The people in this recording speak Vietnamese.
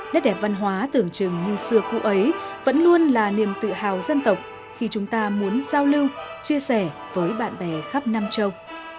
đất đẹp văn hóa tưởng chừng như xưa cũ ấy vẫn luôn là niềm tự hào dân tộc khi chúng ta muốn giao lưu chia sẻ với bạn bè khắp nam châu